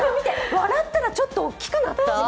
笑ったらちょっと大きくなった。